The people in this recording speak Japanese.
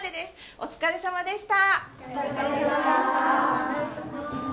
お疲れさまでした。